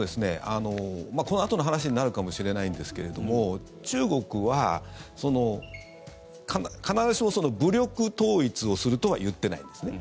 このあとの話になるかもしれないんですけれども中国は必ずしも武力統一をするとは言っていないんですね。